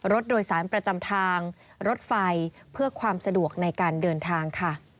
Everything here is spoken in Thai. รถโดยสารประจำทางรถไฟเพื่อความสะดวกในการเดินทางค่ะ